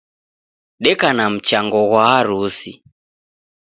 Deka na mchango ghwa harusi